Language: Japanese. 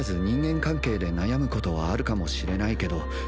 人間関係で悩むことはあるかもしれないけど